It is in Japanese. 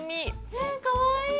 え、かわいい。